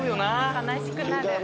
悲しくなる。